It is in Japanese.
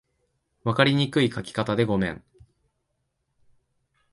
分かりにくい書き方でごめん